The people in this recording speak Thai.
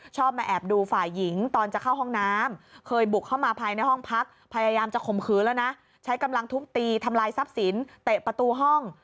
ใช้กำลังทุกตีทำลายทรัพย์สินเตะประตูห้อง